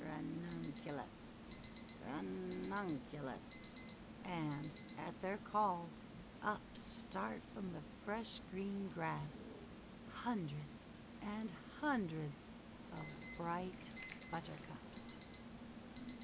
Ranunculus ! Ranunculus !' And at their call, up start from the fresh green grass hundreds and hundreds of bright Buttercups.